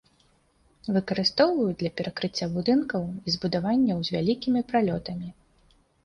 Выкарыстоўваюць для перакрыцця будынкаў і збудаванняў з вялікімі пралётамі.